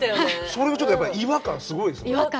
それがちょっとやっぱ違和感すごいですもん。